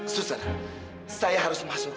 buster saya harus masuk